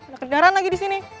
gak kejaran lagi disini